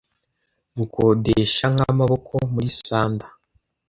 Gukodesha nkamaboko muri sunder,